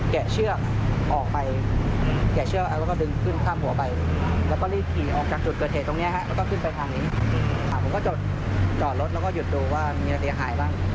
เชือกออกไปแกะเชือกแล้วก็ดึงขึ้นข้ามหัวไปแล้วก็รีบขี่ออกจากจุดเกิดเหตุตรงนี้แล้วก็ขึ้นไปทางนี้ผมก็จอดรถแล้วก็หยุดดูว่ามีอะไรเสียหายบ้าง